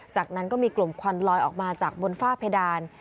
จากนั้นก็มีกลุ่มควันลอยออกมาจากบนฝ้าเพดาน